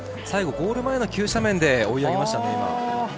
最後ゴール前の急斜面で追い上げましたね。